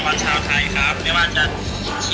แต่มีตามมาเชียร์ในอินโดนีเซีย